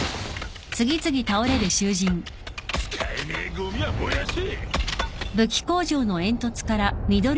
使えねえゴミは燃やせ！